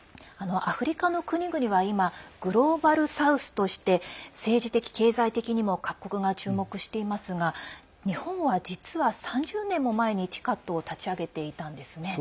アフリカの国々は今グローバル・サウスとして政治的、経済的にも各国が注目していますが日本は、実は３０年も前にＴＩＣＡＤを立ち上げていたんですね。